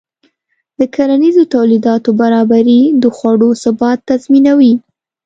د کرنیزو تولیداتو برابري د خوړو ثبات تضمینوي.